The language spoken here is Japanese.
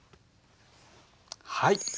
はい。